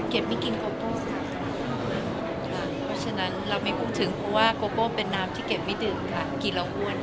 เก็บไม่กินโกโก้เราไม่พรุ่งถึงเพราะว่าโกโก้เป็นน้ำที่เก็บไม่ดื่มค่ะกินแล้วอ้วนค่ะ